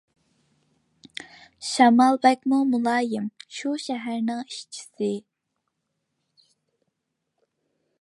شامال بەكمۇ مۇلايىم، بۇ شەھەرنىڭ ئىشچىسى.